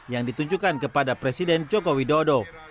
yang ditunjukkan kepada presiden joko widodo